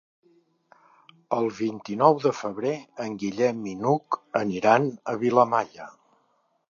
El vint-i-nou de febrer en Guillem i n'Hug aniran a Vilamalla.